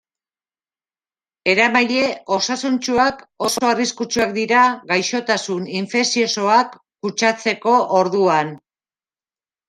Eramaile osasuntsuak oso arriskutsuak dira gaixotasun infekziosoak kutsatzeko orduan.